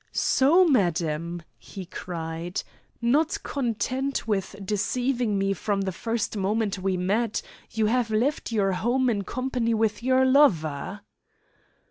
"So, madam." he cried, "not content with deceiving me from the first moment we met, you have left your home in company with your lover!"